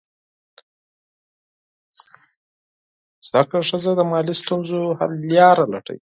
زده کړه ښځه د مالي ستونزو حل لاره لټوي.